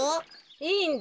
いいんだよ。